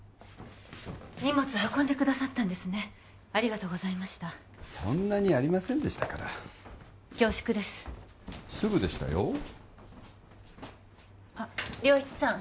荷物運んでくださったんですねありがとうございましたそんなにありませんでしたから恐縮ですすぐでしたよあっ良一さん